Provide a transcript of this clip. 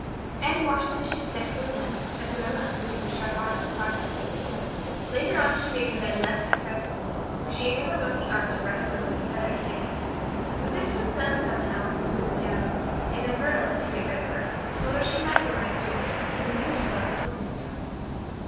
Anne washed the dishes deftly enough, as Marilla who kept a sharp eye on the process, discerned. Later on she made her bed less successfully, for she had never learned the art of wrestling with a feather tick. But is was done somehow and smoothed down; and then Marilla, to get rid of her, told her she might go out of doors and amuse herself until dinner time.